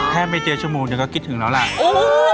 แค่ไม่เจอชั่วโมงเนี่ยก็คิดถึงแล้วล่ะโอ้โห